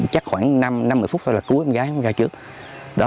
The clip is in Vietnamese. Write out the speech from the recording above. chắc khoảng năm một mươi phút thôi là cứu em gái em ra trước